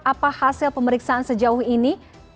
apa hasil pemeriksaan sejauh ini